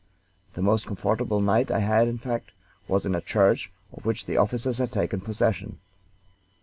The most comfortable night I had, in fact, was in a church of which the officers had taken possession.